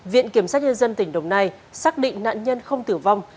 viện kiểm sát nhân dân tỉnh đồng nai xác định nạn nhân không tử vong